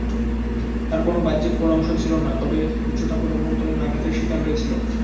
তার কোনও বাহ্যিক পোড়া অংশ ছিল না, তবে উচ্চ তাপের অভ্যন্তরীণ আঘাতের শিকার হয়েছিল।